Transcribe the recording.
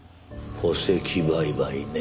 戸籍売買ね。